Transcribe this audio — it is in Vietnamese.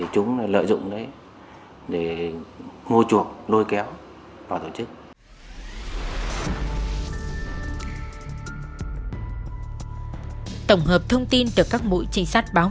chúng thâm nhập ngày càng sâu